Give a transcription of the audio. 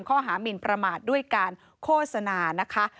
หมินประมาทด้วยการโฆษณานะคะ